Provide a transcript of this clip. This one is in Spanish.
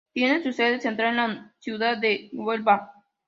Tiene su sede central en la ciudad de Huelva.